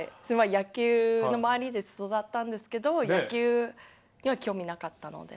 野球の周りで育ったんですけど、野球には興味なかったので。